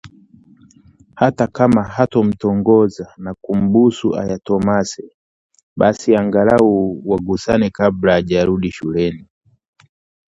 Hata kama hatamtongoza na kumbusu, ayatomase basi, angalau wagusane kabla hajarudi shuleni